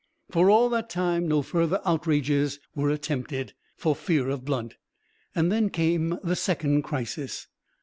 For all that time no further outrages were attempted, for fear of Blunt; and then came the second crisis.